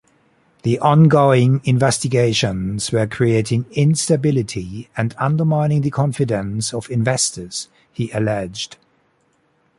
The ongoing investigations were creating "instability" and undermining the confidence of investors, he alleged.